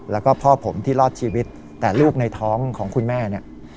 แล้วก็พ่อผมที่รอดชีวิตแต่ลูกในท้องของคุณแม่เนี่ย